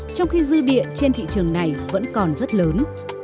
trong khi dư địa trên thị trường này vẫn còn rất lớn